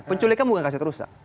penculikan bukan kasih terus